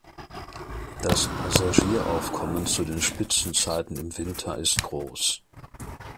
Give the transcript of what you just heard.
Das Passagieraufkommen zu den Spitzenzeiten im Winter ist gross.